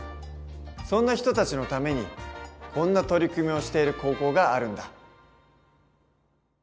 そんな人たちのためにこんな取り組みをしている高校があるんだ。